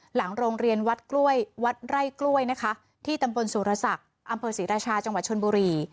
หลังโรงเรียนวัดกล้วยวัดไร่กล้วยนะคะที่ตำบลสุรศักดิ์อำเภอศรีราชาจังหวัดชนบุรี